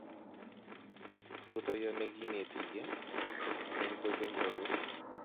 Rutoiyo ne kinetigei eng' kwekeny sobet